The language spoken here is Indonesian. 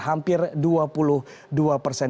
hampir dua puluh dua persen